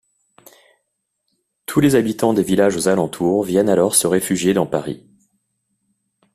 Tous les habitants des villages aux alentours viennent alors se réfugier dans Paris.